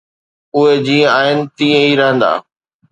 ”اهي جيئن آهن تيئن ئي رهندا.